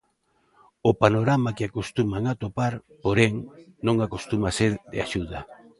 O panorama que acostuman atopar, porén, non acostuma ser de axuda.